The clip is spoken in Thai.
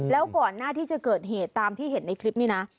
แล้วก่อนหน้าที่จะเกิดเหตุตามที่เห็นในคลิปนี้นะ